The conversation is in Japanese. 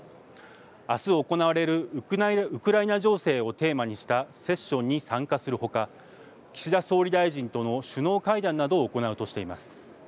あす行われるウクライナ情勢をテーマにしたセッションに参加するほか岸田総理大臣との首脳会談などを行うとしています。